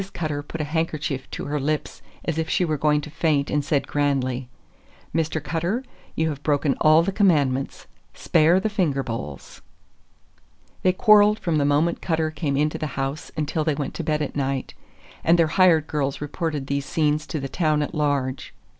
Cutter put her handkerchief to her lips as if she were going to faint and said grandly: "Mr. Cutter, you have broken all the Commandments—spare the finger bowls!" They quarreled from the moment Cutter came into the house until they went to bed at night, and their hired girls reported these scenes to the town at large. Mrs.